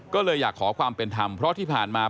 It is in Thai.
ก็เลยอยากขอความเป็นธรรมเพราะที่ผ่านมา